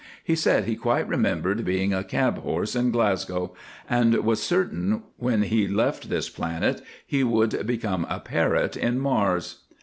He said he quite remembered being a cab horse in Glasgow, and was certain when he left this planet he would become a parrot in Mars."